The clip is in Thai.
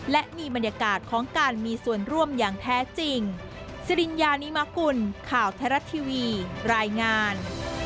และมีบรรยากาศของการมีส่วนร่วมอย่างแท้จริงสิริญญานิมกุลข่าวไทยรัฐทีวีรายงาน